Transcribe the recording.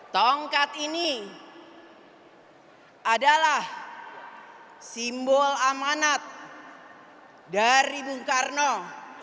tongkat ini adalah simbol amanat dari bukalapak